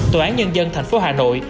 tòa án nhân dân tp hà nội